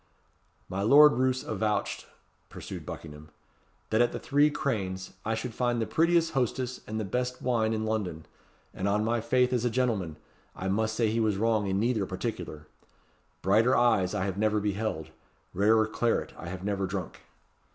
"My Lord Roos avouched," pursued Buckingham, "that at the Three Cranes I should find the prettiest hostess and the best wine in London; and on my faith as a gentleman! I must say he was wrong in neither particular. Brighter eyes I have never beheld rarer claret I have never drunk."